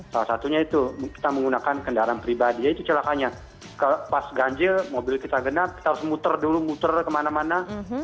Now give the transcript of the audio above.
salah satunya itu kita menggunakan kendaraan pribadi yaitu celakanya pas ganjil mobil kita genap kita harus muter dulu muter kemana mana